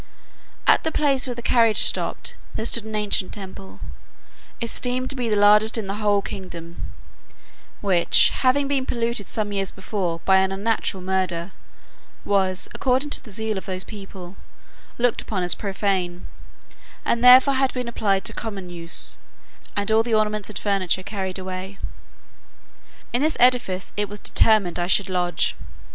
At the place where the carriage stopped there stood an ancient temple, esteemed to be the largest in the whole kingdom; which, having been polluted some years before by an unnatural murder, was, according to the zeal of those people, looked upon as profane, and therefore had been applied to common use, and all the ornaments and furniture carried away. In this edifice it was determined I should lodge.